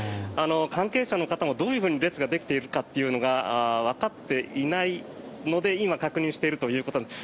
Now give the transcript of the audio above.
関係者の方もどういうふうに列ができているかというのがわかっていないので今確認しているということです。